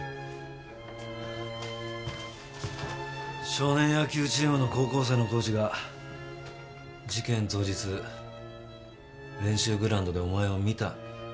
少年野球チームの高校生のコーチが事件当日練習グラウンドでお前を見たって供述した。